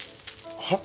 は？